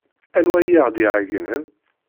Anwa ay aɣ-d-iɛeyynen?